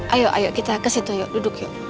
ayo ayo kita ke situ yuk duduk yuk